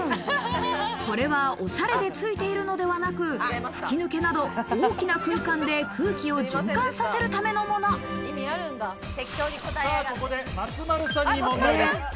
これは、おしゃれで付いてているのではなく、吹き抜けなど大きな空間でここで松丸さんに問題です。